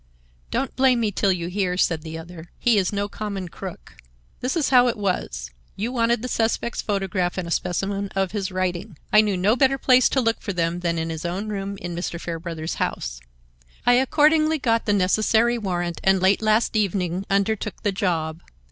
"Don't blame me till you hear," said the other. "He is no common crook. This is how it was: You wanted the suspect's photograph and a specimen of his writing. I knew no better place to look for them than in his own room in Mr. Fairbrother's house. I accordingly got the necessary warrant and late last evening undertook the job.